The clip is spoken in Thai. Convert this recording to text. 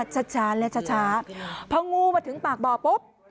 ช้าช้าแล้วช้าช้าเพราะงูมาถึงปากบ่อปุ๊บ